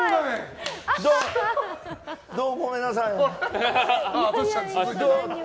どうも、ごめんなさい。